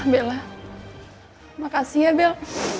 bella makasih ya bell